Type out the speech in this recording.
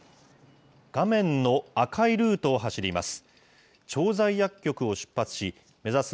画面の赤いルートを走ります。